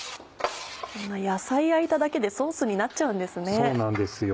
野菜焼いただけでソースになっちゃうんですね。